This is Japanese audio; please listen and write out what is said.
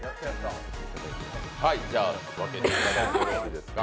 分けていただいてよろしいですか。